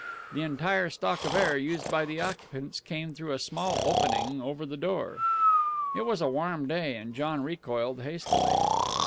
The entire stock of air used by the occupants came through a small opening over the door. It was a warm day, and John recoiled hastily.